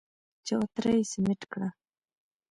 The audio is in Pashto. چوتره يې سمټ کړه.